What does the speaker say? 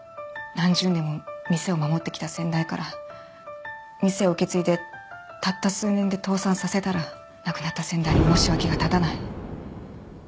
何十年も店を守ってきた先代から店を受け継いでたった数年で倒産させたら亡くなった先代に申し訳が立たない。